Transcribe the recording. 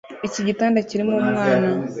Iki gitanda kirimo umwana